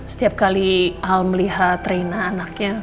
setiap kali al melihat reina anaknya